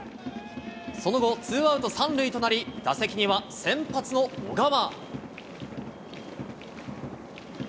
その後、ツーアウト３塁となり、打席には先発の小川。